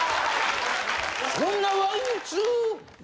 そんなワイン通か？